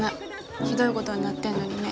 ひどいごどになってんのにね。